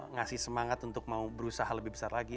ngasih semangat untuk mau berusaha lebih besar lagi